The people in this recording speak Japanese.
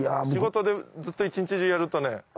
仕事でずっと一日中やると。